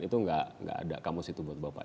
itu enggak ada kamus itu buat bapak ya